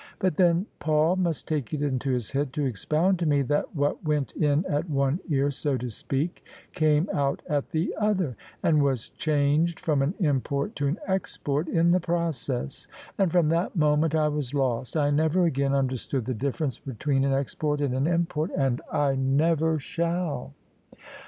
But then Paul must take it into his head to expound to me that what went in at one ear, so to speak, came out at the other, and was changed from an import to an export in the process. And from that moment I was lost. I never again under stood the difference between an export and an import, and I never shall."